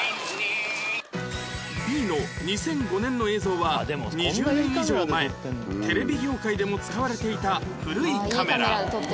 Ｂ の２００５年の映像は２０年以上前テレビ業界でも使われていた古いカメラ